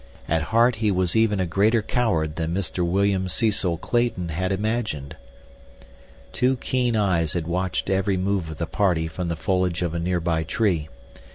At heart he was even a greater coward than Mr. William Cecil Clayton had imagined. Two keen eyes had watched every move of the party from the foliage of a nearby tree.